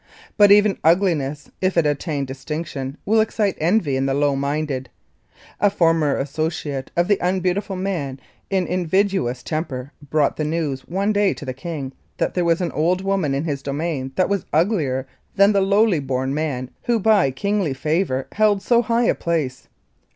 But even ugliness, if it attain distinction, will excite envy in the low minded. A former associate of the unbeautiful man in invidious temper brought the news one day to the king, that there was an old woman in his domain that was uglier than the lowly born man who by kingly favor held so high a place.